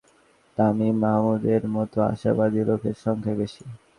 তবু এবারের ইংল্যান্ড সিরিজে তামিম, মাহমুদদের মতো আশাবাদী লোকের সংখ্যাই বেশি।